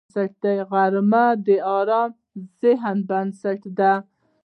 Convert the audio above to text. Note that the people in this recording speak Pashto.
غرمه د ارام ذهن بنسټ دی